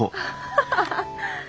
アハハハ。